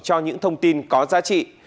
cho những thông tin có giá trị